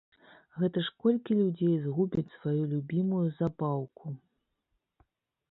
Гэта ж колькі людзей згубяць сваю любімую забаўку!